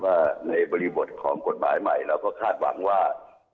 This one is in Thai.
ว่าในบริบทของกฎหมายใหม่เราก็คาดหวังว่า